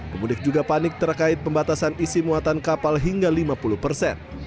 pemudik juga panik terkait pembatasan isi muatan kapal hingga lima puluh persen